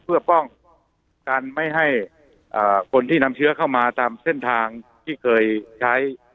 เพื่อป้องกันไม่ให้คนที่นำเชื้อเข้ามาตามเส้นทางที่เคยใช้